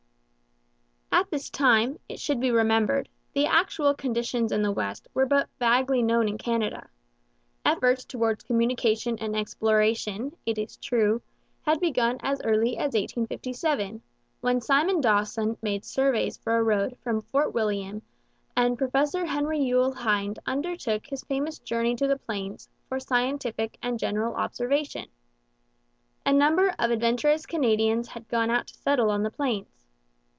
At this time, it should be remembered, the actual conditions in the West were but vaguely known in Canada. Efforts towards communication and exploration, it is true, had begun as early as 1857, when Simon Dawson made surveys for a road from Fort William and Professor Henry Youle Hind undertook his famous journey to the plains for scientific and general observation. A number of adventurous Canadians had gone out to settle on the plains.